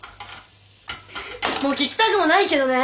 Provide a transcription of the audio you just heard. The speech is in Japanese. もう聞きたくもないけどね！